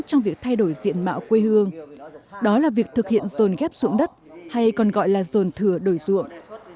trong việc thay đổi diện mạo quê hương đó là việc thực hiện rồn ghép rụng đất hay còn gọi là rồn thừa đổi rụng